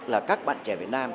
là các bạn trẻ việt nam